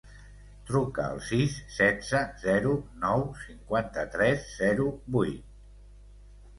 Truca al sis, setze, zero, nou, cinquanta-tres, zero, vuit.